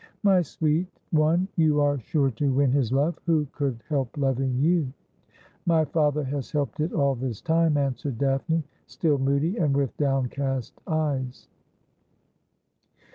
' My sweet one, you are sure to win his love. Who could help loving you ?'' My father has helped it all this time,' answered Daphne, still moody and with downcast eyes.